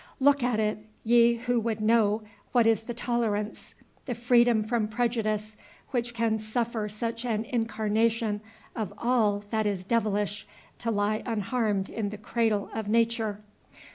Look at it, ye who would know what is the tolerance, the freedom from prejudice, which can suffer such an incarnation of all that is devilish to lie unharmed in the cradle of Nature!